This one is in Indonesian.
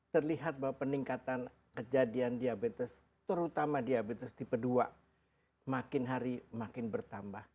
terlihat bahwa peningkatan kejadian diabetes terutama diabetes tipe dua makin hari makin bertambah